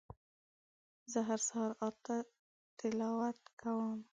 زه هر سهار اته تلاوت کوم